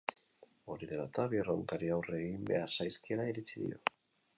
Hori dela eta, bi erronkari aurre egin behar zaizkiela iritzi dio.